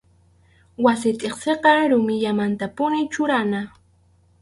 Wasi tiqsiqa rumillamantapunim churana.